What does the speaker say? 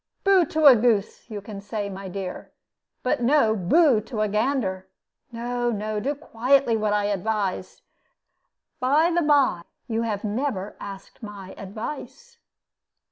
'Bo to a goose,' you can say, my dear; but no 'bo' to a gander. No, no; do quietly what I advise by the bye, you have never asked my advice."